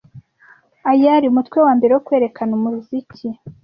Ayari umutwe wambere wo kwerekana umuziki